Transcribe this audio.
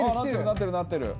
なってるなってる！